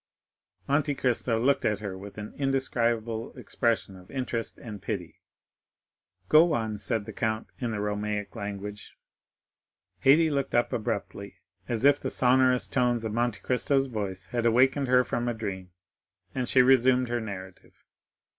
Monte Cristo looked at her with an indescribable expression of interest and pity. "Go on, my child," said the count in the Romaic language. 40074m Haydée looked up abruptly, as if the sonorous tones of Monte Cristo's voice had awakened her from a dream; and she resumed her narrative.